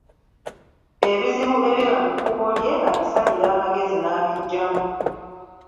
Ebizibu ebiba mu kkubo lye, abisalira amagezi n'abiggyamu.